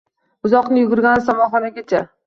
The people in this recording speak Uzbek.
Buzoqni yugurgani somonxonagacha!